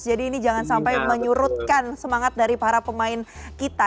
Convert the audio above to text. jadi ini jangan sampai menyurutkan semangat dari para pemain kita